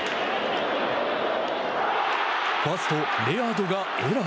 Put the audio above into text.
ファースト、レアードがエラー。